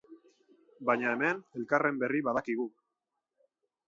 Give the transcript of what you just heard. Baina hemen elkarren berri badakigu.